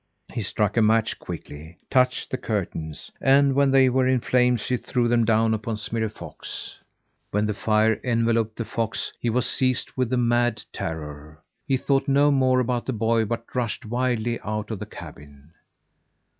He struck a match quickly, touched the curtains, and when they were in flames, he threw them down upon Smirre Fox. When the fire enveloped the fox, he was seized with a mad terror. He thought no more about the boy, but rushed wildly out of the cabin.